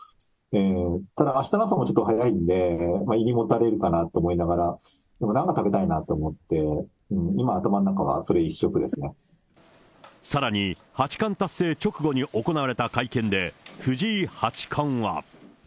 ただ、あしたの朝もちょっと早いんで、胃にもたれるかなと思いながら、でも何か食べたいなと思って、今、頭ん中は、さらに八冠達成直後に行われた会見で、藤井八冠は。